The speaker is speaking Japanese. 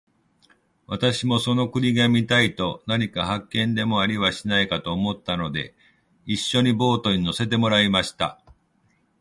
私もその国が見たいのと、何か発見でもありはしないかと思ったので、一しょにそのボートに乗せてもらいました。